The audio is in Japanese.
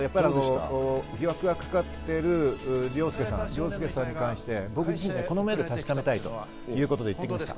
疑惑がかかっている凌介さんに関して、僕自身がこの目で確かめたいということで行ってきました。